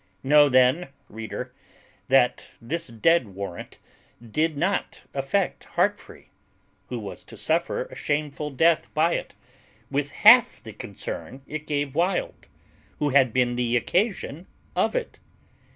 Know then, reader, that this dead warrant did not affect Heartfree, who was to suffer a shameful death by it, with half the concern it gave Wild, who had been the occasion of it.